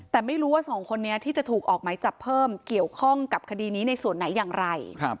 แต่ไม่รู้ว่าสองคนนี้ที่จะถูกออกไหมจับเพิ่มเกี่ยวข้องกับคดีนี้ในส่วนไหนอย่างไร